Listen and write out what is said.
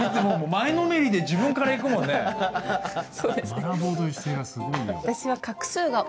学ぼうという姿勢がすごいよ。